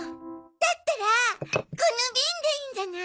だったらこのビンでいいんじゃない？